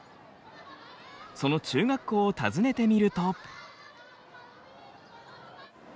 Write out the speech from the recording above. その中学校を訪ねてみると。